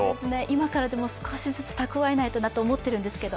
今からでも少しずつ蓄えないなと思ってるんですけど。